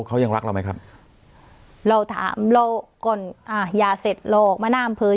เขายังรักเราไหมครับเราถามเราก่อนอ่ายาเสร็จเราออกมาหน้าอำเภอ